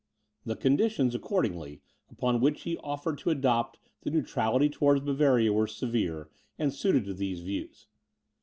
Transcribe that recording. The conditions, accordingly, upon which he offered to adopt the neutrality towards Bavaria were severe, and suited to these views.